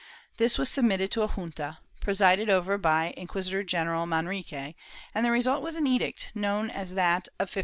This was submitted to a junta, presided over by Inquisitor general Manrique, and the result was an edict known as that of 1526.